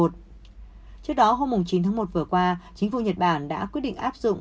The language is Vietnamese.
trước đó hôm chín tháng một vừa qua chính phủ nhật bản đã quyết định áp dụng